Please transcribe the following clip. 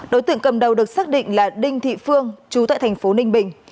đối tượng cầm đầu được xác định là đinh thị phương chú tại thành phố ninh bình